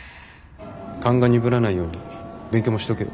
勘が鈍らないように勉強もしとけよ。